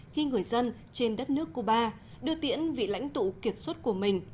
khi người dân trên đất nước cuba đưa tiễn vị lãnh tụ kiệt xuất của mình